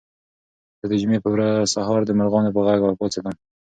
زه د جمعې په سهار د مرغانو په غږ راپاڅېدم.